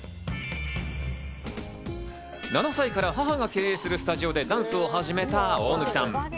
７歳から母が経営するスタジオでダンスを始めた大貫さん。